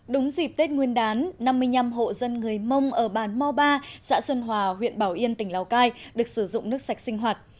đúng dịp tết nguyên đán năm mươi năm hộ dân người mông ở bàn mo ba xã xuân hòa huyện bảo yên tỉnh lào cai được sử dụng nước sạch sinh hoạt